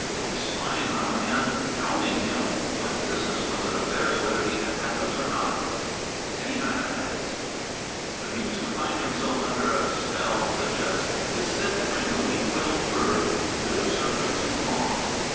Always spying on a man; hounding him! What business was it of theirs whether he had habits or not ... any kind of habits? But he was to find himself under a spell such as is said to bring the weak willed bird to the serpent's maw.